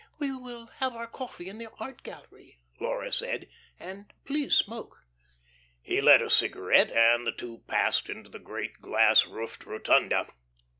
"We will have our coffee in the art gallery," Laura said, "and please smoke." He lit a cigarette, and the two passed into the great glass roofed rotunda.